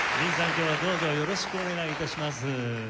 今日はどうぞよろしくお願い致します。